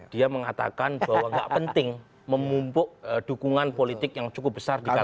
dia mengatakan bahwa gak penting memumpuk dukungan politik yang cukup besar di kpk